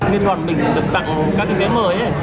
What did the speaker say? nguyên hoàn bình được tặng các cái vé mới